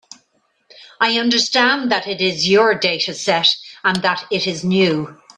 I understand that it is your dataset, and that it is new.